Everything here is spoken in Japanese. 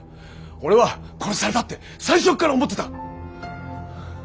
俺は殺されたって最初から思ってた。